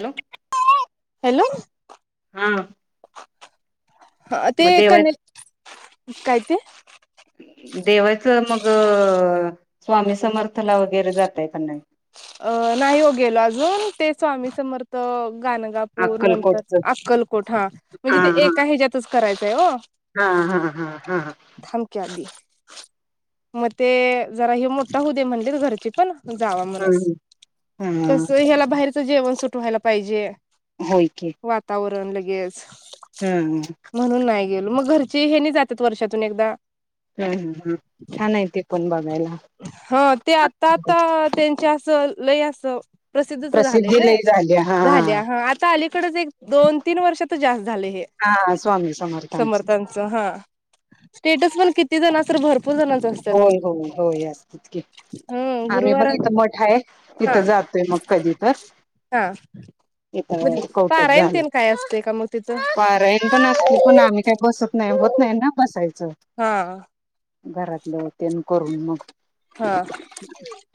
Hello. Hello. हां. हा ते कनी, काय ते? देवाचं मग स्वामी समर्थला वगैरे जातयं का नाही? अ नाही हो गेलो अजून ते स्वामी समर्थ. गाणगापूर नंतर अक्कलकोटच अक्कलकोट हा म्हणजे हा ते हा एका हिच्यातच करायचंय आहे ओ. हा हा हा. [inaudible] मग ते जरा हे मोठा होऊ दे म्हणे घरची पण जावा म्हणसं. हम्म हा कसं ह्याला बाहेरच जेवण सुट व्हायला पाहिजे. होय की. [inaudible] हम्म हम्म. म्हणून नाही मग घरची हेनी जातात वर्षातून एकदा. हम्म हम्म हम्म छान आहे ते पण बघायला. हा ते आता आता त्यांच्या अस लयं असं. प्रसिद्धच झालंय प्रसिद्धी ना लय झाली हा झाल्या हा आता अलीकडच एक दोन तीन वर्षात जास्त- झाले हे. हा स्वामी समर्थांच हा. स्टेटस पण किती जनांच तरं भरपूर- जणांच असतात होय होय होय, असतेच की हम्म आम्ही गुरुवार पण हित मठ- आहे हा तिथं जातोय मगं कधी तरं. हा. इथ म्हणजे कवठ्यात पारायण झालंय तेन काय असते का मग तिथं पारायण पण असतील पण आम्ही काही बसत नाही. होत नाही ना बसायचं. हा. घरातलं तेन करून मग हा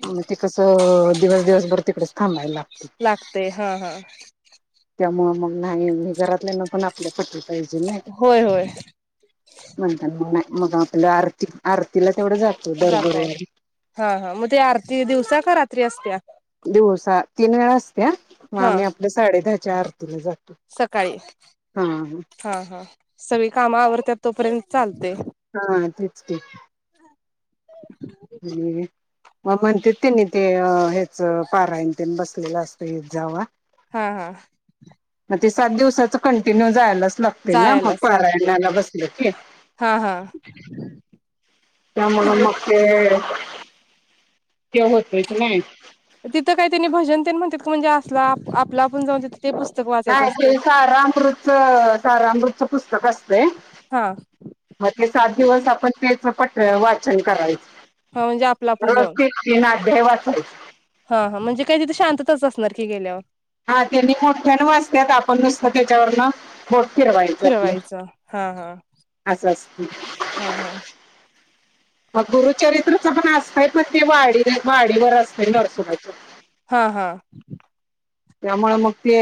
मग ते कसं दिवस दिवसभर तिकडेच थांबायला लागते ते हा हा त्यामुळे मग नाही मी घरातल्या ना पण आपल्या पटत होय होय [inaudible] जातय हा हा मग ते आरती दिवसा का रात्री असत्या? दिवसा तीन वेळा असते ह मग, हा आम्ही आपल्या साडे दहाच्या आरतीला जातोय सकाळी हा हा सगळी काम आवरतात तोपर्यंत--? चालते हा तेच की- [unintelligible] मग म्हणते तनी ते हेच पारायणते बसलेलं असतं हे जाव हा हा. सात दिव कंटिन्यू जयलाच लागते ना म जायलाच लागते पारायणला बसलाकी. हा हा नम न तिथं मक ते ते होतच नाही. तिथं काय त्यांनी भजन त्यांनी म्हणतात का म्हणजे असला आपला आपण जाऊन ति नाही ते सारामकृतचं सारामृतचं पुस्तक अस तय हा ते सात दिवस आपण त्याच पट वाचन करायचं. हा म्हणजे आपला आपण जाऊन. देवास हा हा म्हणजे काय तिथे शांतच असणार की गेल्यावर. हा त्यांनी मोठ्यान वाचतात आपण नुसतं त्याच्यावरन बोट फिरवायचं आपल. फिरवायचं हा हा अस अस हा हा मग गुरुचरित्रच पण असतय पण ते वाढ वाडीवर असत नरसोबाच्या हा हा. त्यामुळे मग ते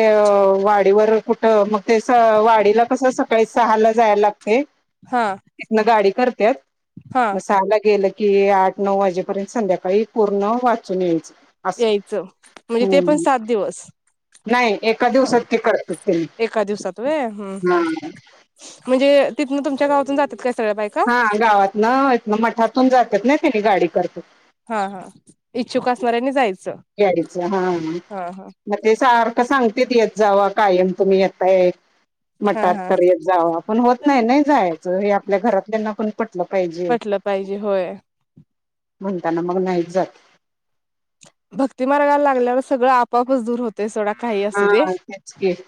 वाडीवर कुठं मग ते वाडीला कसं सकाळी सहाला जायला लाग तय हा तिथन गाडी करतत हा मलं गेलं क कि आठ नऊ वाजेपर्यंत संध्याकाळी पूर्ण वाचून यायचं. असं यायचं म्हणजे ते पण हम्म सात दिवस नाही एका दिवसात ते करतात त्यांनी. एका दिवसात व्हय हम्म हा हम्म. म्हणजे तिथनं तुमच्या गावातून जातात काय. सगळ्या बायका हा गावात न मठातून जातात ना त्यांनी गाडी करत्यात. हा हा इच्छुक असणाऱ्यांनी जायचं हा हा. म ते सार का सांगते येत जावा कायम तुम्ही यताय हा म्हटात हा तर येत जावा पण होत नाही नाही जायचं हे आपल्या घरातल्यांना पण पटलं पाहिजे. म्हटलं पाहिजे होय. म्हणताना मग नाही जात. भक्ती मार्गाला लागल्यावर सगळं आपापच दूर होतय सोडा. काही असू हा दे तेचक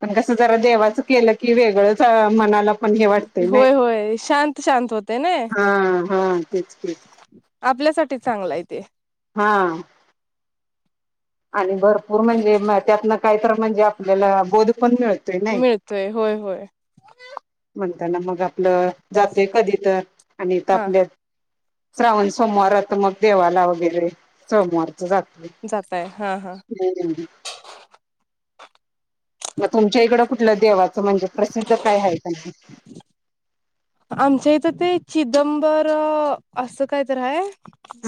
पण कस जरा देवाच के की वेगळं मला पण हे वाटतय नाही होय होय शांत शांत होते ना हा हा तेच तेच. आपल्यासाठी चांगला आहे ते. हा. आणि भरपूर म्हणजे त्यातन काहीत म्हणजे आपल्याला बोध पण मिळत. मिळतोय होय होय. त्यांना मग आपलं जातोय कधी तर आणि तर हा आपल्या श्रावण सोमवारात मग देवाला वगैरे सोमवारच जातोय. जाताय हा हा हम्म. मग तुमच्या इकडं कुठलं देवाचं म्हणजे प्रसिद्ध काय आहे त्यां आमच्या इथं ते चिदंबर असं काय तर आहे.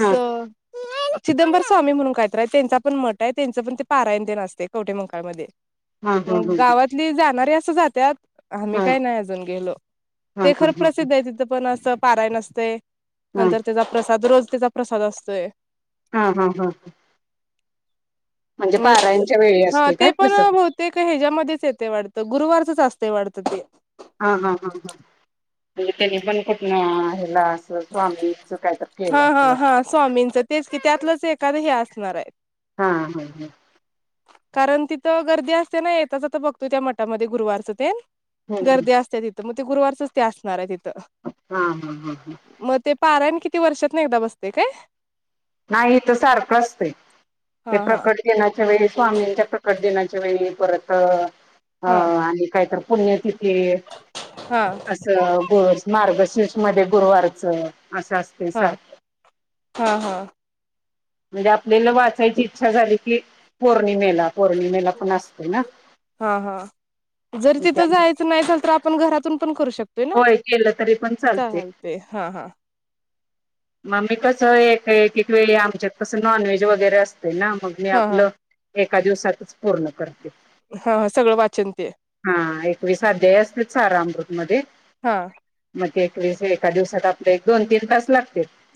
हा चिदंबर स्वामी म्हणून कायतय त्यांचा पण मठ आहे त्यांचं पण ते पारायण देनसते कवठे मंकाळमध्ये. हा हा मग हा गावातली जाणारे अस आम्ही हा काय नाही अजून गेलो हा ते हा खरं प्रसिद्ध आहे तिथ पण अस पारायण असते हा नंतर त्याचा प्रसाद रोज त्याचा प्रसाद असतोय. हा हा हा हा. मस् वेळी हा असते ते काय पण प्रसाद बहुतेक ह्याच्यामध्येच येते वाटत गुरुवारचच अस वाढत ते. हा हा हा हा. म तेनी बण कठ ना हेला स्वामी सुखा हा हा हा स्वामींचं तेच की त्यातलंच एखादं हे असणार आहे हा हा हा कारण तिथं गर्दी असते ना येताच तर बघतो त्या मठामध्ये गुरुवारचं ते ह गर्दी असते तिथं मग ते गुरुवारच ते असणार आहे तिथं हा हा हा ह मग ते पाराण किती वर्षात ना एकदा बसते काय नाही तर सारखं असत ते हा हा प्रकट घण्याच्या वेळे आम्हीच्या तकट देनाच्या वेळी परत हा आणि कायत पुण तिथ क हा असं ग मार्गशीिर्ष मध्ये गुरुवारचं असं असते हा सारख हा हा म्हणजे आपल्याला वाचायची इच्छा झाली कि पौर्णिमेला पौर्णिमेला पण असत हा हा जरी तिथं त्यामुळे जायचं नाही असल तर आपण घरातून पण करू शकतोय ना होय केलं तरी चालते हा हा मगमी कस एक एक वेळी आमच्यात कसं नॉनव्हेज वगैरे असत ना मग मी हा हा आपलं एका दिवसातच पूर्ण कर हा हा सगळं वाचन ते हा एकविसाध्ये असतील स रामृत मध्ये हा ग एक एका दिवसात आप एक दोन तीन तास लागत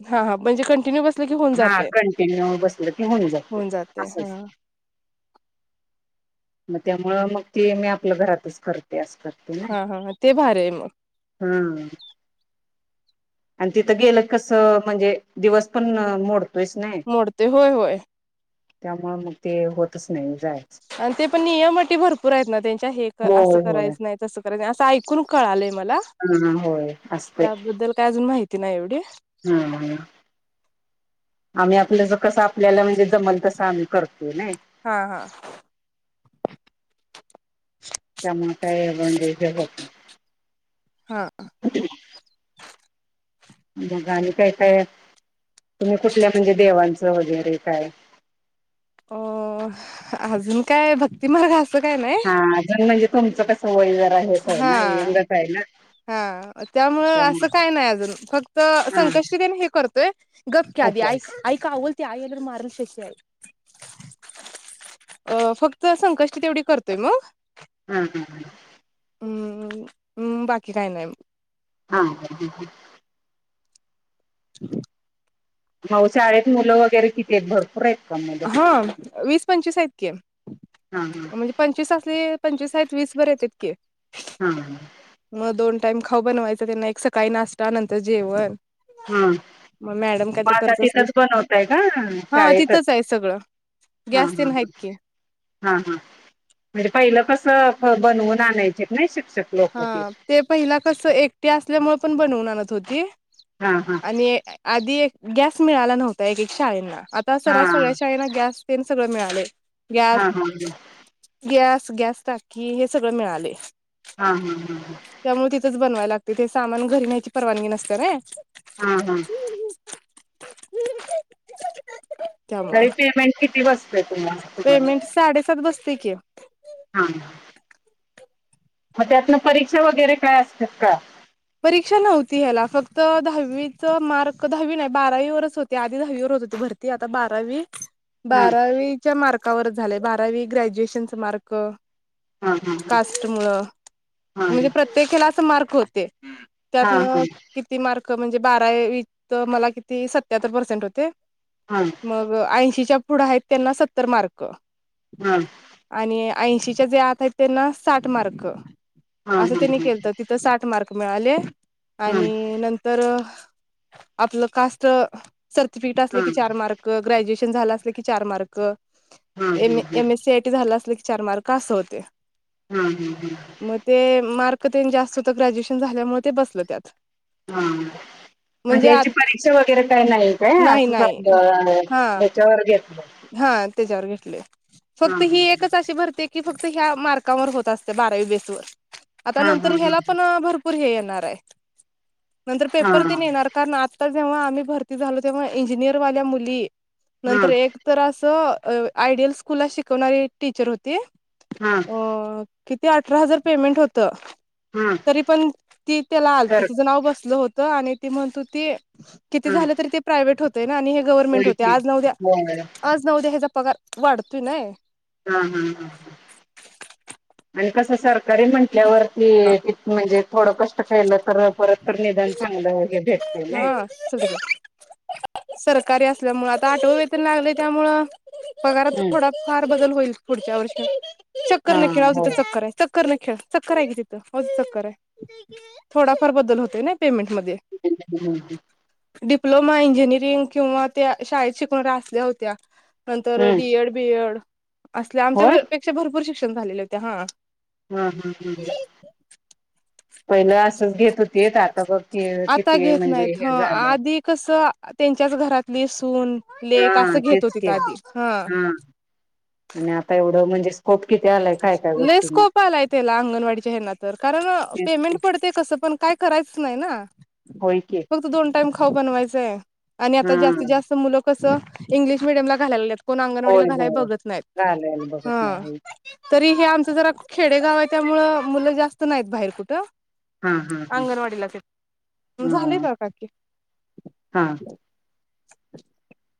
हा हा म्हणजे कंटिन्यू बसले हा कंटिन्यू बसलेलं की होऊन जातो जाते हा असंच मग त्यामुं मग ते मी आपल्या घरातच करत तास करते ना हा हा ते भारी आहे मग हम्म आणि तिथं गेलं कस म्हणजे दिवस पण मोड मोडते होय होय त्यामु मग ते होतच नाही जायच आणि ते पण नियमट भरपूर आहेत ना त्यांच्या हे असं होय होय करायचं नाही तसं असं ऐकून कळालंय मला हा होय त्याबद्दल काय अजून माहिती नाही एवढी हम्म हम आम्ही आपलं ज कस आपल्याला म्हणजे जमल तसं आम्ही करतो नाही हा हा टमाटा बण हा गाणी काय काय तुम्ही कुठल्या म्हणजे देवांचं वगैरे काय अ अजून काय भक्तिमार्ग अस हा अजून म्हणजे तुमचं कसं वय जर हेच आहे हा ना यंगच आहे ना हा त्यामुं त्यामुळे असं काय नाही अजून फक्त हा संकष्टीने हे करतोय गपक्या आधी उपवास [unintelligible] ऐ का आवोलते आई मारून शक्य आहे अ फक्त संकष्टी तेवढी करतोय मग हम् हम् हम बाकी काय नाही हा ह ह ह क मऊ शाळेत मुलं वगैरे किती आहेत भरपूर आहेत का मुलं हा वीस पंचवीस आहेत की अ हा हा म्हणजे पंचवीस असे पंचवीस आहेत वीस बर आहेत इतके हा टाइम खाऊ बनवायचा त्यांना एक सकाळी नाश्ता नंतर जेवण हम मग मॅडम काहीतरी मग आता करत असले तिथंच बनवतय का हा तिथंच शाळेतच आहे सगळं हा गॅस हा तेन ह आहेत की हा हा म्हणजे पहिला कस बनवून आणायच नाही श हा ते पहिला कस एकटी असल्यामुळे पण बनवून आणत होती. हा हा आणि आधी एक गॅस मिळाला नव्हता एक एक शाळेना आता हा सर सगळ्या शाळेना गॅस पन सगळं मिळाले गॅस हा हा गॅस गॅस टाकी हे सगळं मिळालय. हा हा हा हा! बनवायला लागते ते सामान घरी नण्याची परवागी नसते ना! हा हा! [inaudible] तरी पेमेंट किती वाज पेमेंट साडेसात वाजताय की?? हा, मग त्यातन परीक्षा वगैरे काय असतात का? परीक्षा नव्हती ह्याला फक्त दहावीच मार्क दहावी नाही बारावी वरच होते आधी दहावी हो भरती आता बारावी हा बारावीच्या मार्कावर झाले बारावी ग्रॅज्युएशनचे मार्क हा हा कास्ट मुळ हा हा म्हणजे प्रत्येकेला अस मार्क होते हा हा त्यातन हा किती मार्क म्हणजे बारावीत मला किती सत्याहत्तर पर्सेंट होते. हा मग ऐंशीच्या पुढं आहेत त्यांना सत्तर मार्क हा आणि ऐंशीच्या जे आत आहेत त्यांना साठ मार्क हा असं त्यांनी केलत तिथं साठ मार्क मिळाले हा आणि नंतर आपलं कास्ट सर्टिफिकट असलं की चार मार्क ग्रॅजवेशं झालं असलं की चार mark M S C IT झाला अस की चार मार्क असं होते. हा म ते मार्क तेन जास्त होत ग्रॅज्युएशन झाल्यामुळे ते बसल त्यात हा, म्हणजे याची परीक्षा वगैरे काही नाही काय नाही असं स नाही हा याच्यावर घेतलं हा त्याच्यावर घेतले फक्त हा ही एकच अशी भरती य कि फक्त ह्या मार्कावर होत असते बारावी बेस वर आता हा हा नंतर ह्याला पण भरपूर हे ना नार आहे नंतर हा पेपर तेन येणार न, [unintelligible] जेव्हा आम्ही भरती झालो तेव्हा इंजिनिअर वाल्या मुली ए हा नंतर एक तर असं अ आयडियल स्कूल शिकवणारी टीचर होती हा अ किती अठरा हजार पेमेंट होत हा तरी पण ती त्याला आलती तर तीचं नाव बसलं होत. त आणि म्हणत होती किती झालं तरी ते प्रायवेट होतं आणि हे गव्हर्नमेंट होते ओळखी आज नद्या होय नऊद्या ह्याचा पगार वाढतोय नाही. हा हा ह [inaudible] आणि कसं सरकारी म्हटल्यावर की म्हणजे थोडं कष्ट केलं तर परत तर निदान चांगलं हे भेट [unintelligible] सरकारी असल्यामुळे आता आठव वेतन लागले त्यामु पगारात हम्म थोडा फार बदल होईल पुढच्या वर्षी चक्कर हा नाही खेळावच हो तर चक्कर आहे. चक्कर नाही खेळ चक्कर आहे की तिथं चक्कर आहे थोडाफार बदल होत ना पेमेंटमध्ये [unintelligible] डिप्लोमा इंजिनिअरिंग किंवा त्या शाळेत शिकून असल्या होत्य नंतर हम्म डीएड बीएड असल्या होय आमच्या पेक्षा भरपूर शिक्षण झालेले होते हा हम् हम् हम् हम्, पहिलं असच घेत होती येत आता जरा आता घेत नाहीत ह आधी कसं त्यांच्याच घरातली सून, हा लेख असं घेत तेच होतीथ की आधी हा, आणि आता एवढं म्हणजे स्कोप किती आलाय काय काय लई गोष्टींना स्कोप आलाय तेला अंगणवाडीच्या हे तर कारण तेच पेमेंट की पडतय कसं पण काय? करायच नाही ना होय की फक्त दोन टाइम खाऊ बनवायचंय? आणि हा आता जास्तीत जास्त मुलं कसं इंग्लिश मिडियमला घालायला लागल्यात. कोण अंगणवाडीला होय घालाय होय बघत नाहीत. घालायला बघत हा. नाही होय तरी हे आमचं जरा खेडेगाव आहे, त्यामुळं मुलं जास्त नाहीत बाहेर कुठं. हा हा हा अंगणवाडीला ते झाले हा का काकी- [unintelligible] हा. [inaudible]